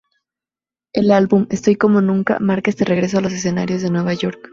El álbum "Estoy Como Nunca" marca este regreso a los escenarios de Nueva York.